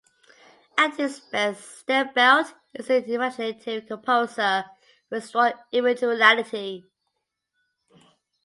At his best Steibelt is an imaginative composer with strong individuality.